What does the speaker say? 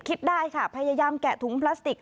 คิดได้ค่ะพยายามแกะถุงพลาสติก